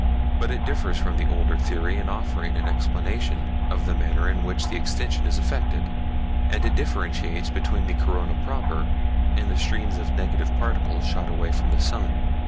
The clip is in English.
But it differs from the older theory in offering an explanation of the manner in which the extension is effected, and it differentiates between the corona proper and the streams of negative particles shot away from the sun.